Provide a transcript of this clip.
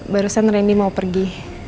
barusan randy mau pergi